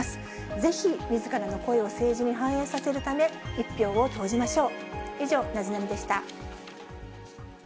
ぜひみずからの声を政治に反映させるため、１票を投じましょう。